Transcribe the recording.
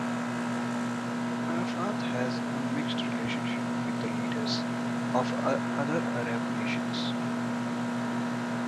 Arafat had a mixed relationship with the leaders of other Arab nations.